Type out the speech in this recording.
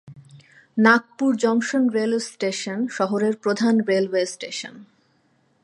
Nagpur junction railway station শহরের প্রধান railway station.